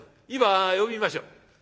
今呼びましょう。